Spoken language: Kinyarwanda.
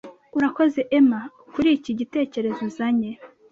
Urakoze Emma kuri iki gitekerezo uzanye